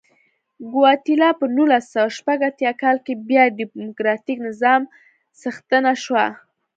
ګواتیلا په نولس سوه شپږ اتیا کال کې بیا ډیموکراتیک نظام څښتنه شوه.